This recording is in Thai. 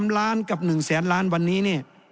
๓ล้านกับ๑แสนล้านวันนี้เนี่ย